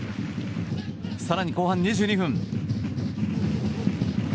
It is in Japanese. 更に後半２２分。